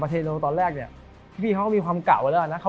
เยอะเลยครับตอนนั้นที่เรากลับประเทศก็มีความเก่าแบบเยอะแหละนะ